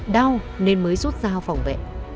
đau nên mới rút dao phòng vệ